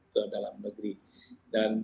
ke dalam negeri dan